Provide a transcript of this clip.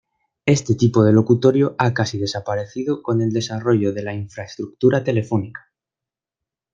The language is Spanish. Este tipo de locutorio ha casi desaparecido con el desarrollo de la infraestructura telefónica.